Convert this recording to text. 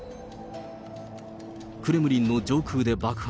クレムリンの上空で爆発。